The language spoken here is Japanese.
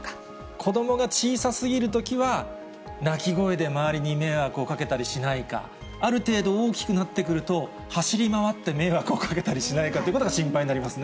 子どもが小さすぎるときは、泣き声で周りに迷惑をかけたりしないか、ある程度大きくなってくると、走り回って迷惑をかけたりしないかということが心配になりますね。